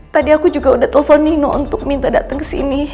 tadi aku juga udah telepon nino untuk minta datang ke sini